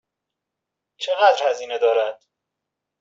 چقدر هزینه دارد؟